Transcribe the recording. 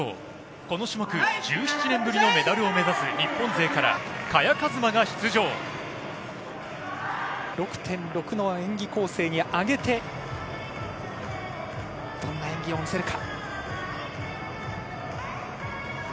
この種目１７年ぶりのメダルを目指す日本勢から６．６の演技構成に上げてどんな演技を見せるか。